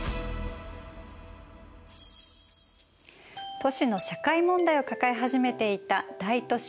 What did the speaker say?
都市の社会問題を抱え始めていた大都市